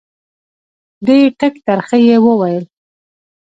ډېر ټک ترخه یې وویل.